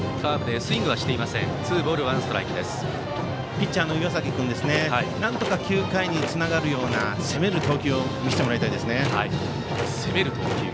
ピッチャーの岩崎君なんとか９回につながるような攻める投球を見せてもらいたいですね。